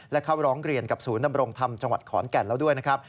และเข้าร้องเรียนกับศูนย์ดำรงธรรมจังหวัดขอนแก่นแล้วด้วยนะครับ